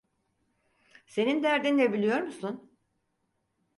Senin derdin ne biliyor musun?